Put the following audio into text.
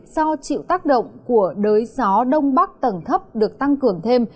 do chịu tác động của đới gió đông bắc tầng thấp được tăng cường thêm